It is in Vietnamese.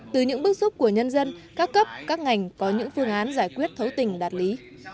từ những bước xúc của nhân dân các cấp các ngành có những phương án giải quyết thấu tình đạt lý